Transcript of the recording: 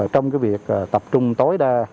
trong việc tập trung tối đa